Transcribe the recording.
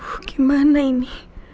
aduh gimana ini